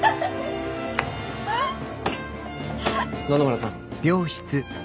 野々村さん。